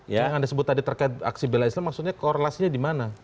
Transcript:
yang anda sebut tadi terkait aksi bela islam maksudnya korelasinya di mana